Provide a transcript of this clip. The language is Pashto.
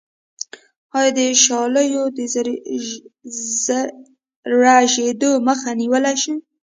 آیا د شالیو د رژیدو مخه نیولی شو؟